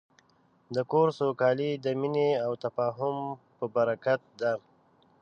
د کور سوکالي د مینې او تفاهم په برکت ده.